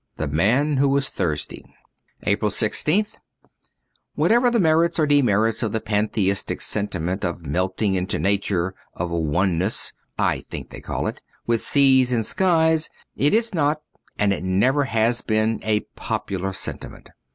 * The Man who was Thursday.^ "5 APRIL i6th WHATEVER the merits or demerits of the Pantheistic sentiment of melting into nature of ' Oneness ' (I thi<ik they call it) with seas and skies, it is not and it never has been a popular sentiment.